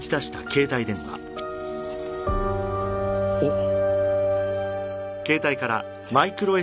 おっ。